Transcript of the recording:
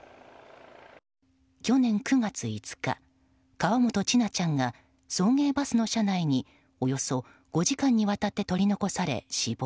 去年９月５日、河本千奈ちゃんが送迎バスの車内におよそ５時間にわたって取り残され死亡。